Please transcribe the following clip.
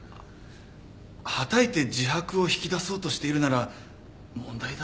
はたいて自白を引き出そうとしているなら問題だと思いますが。